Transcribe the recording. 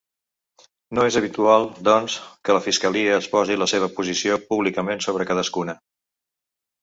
No és habitual, doncs, que la fiscalia exposi la seva posició públicament sobre cadascuna.